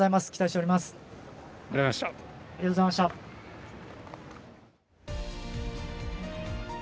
ありがとうございます。